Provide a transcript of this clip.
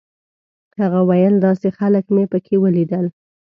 هغه ویل داسې خلک مې په کې ولیدل.